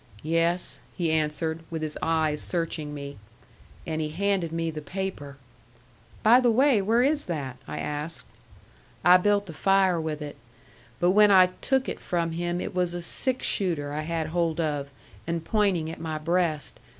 "Yes," he answered, with his eyes searching me. "And he handed me the paper " "By the way, where is that?" I asked. "I built the fire with it. But when I took it from him it was a six shooter I had hold of, and pointing at my breast.